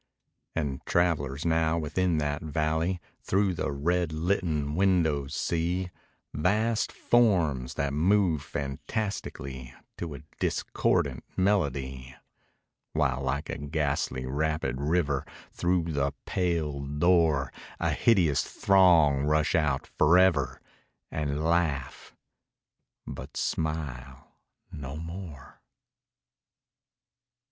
And travellers, now, within that valley, Through the red litten windows see Vast forms, that move fantastically To a discordant melody, While, like a ghastly rapid river, Through the pale door A hideous throng rush out forever And laugh but smile no more.